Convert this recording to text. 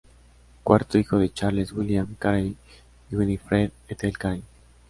Cuarto hijo de Charles William Carey y Winifred Ethel Carey.